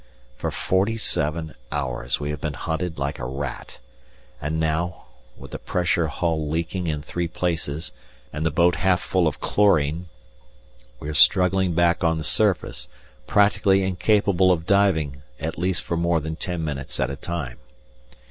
For forty seven, hours we have been hunted like a rat, and now, with the pressure hull leaking in three places, and the boat half full of chlorine, we are struggling back on the surface, practically incapable of diving at least for more than ten minutes at a time.